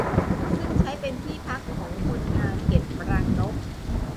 ซึ่งใช้เป็นที่พักของคนงานเก็บรังนก